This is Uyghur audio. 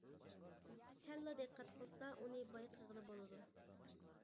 سەللا دىققەت قىلسا ئۇنى بايقىغىلى بولىدۇ.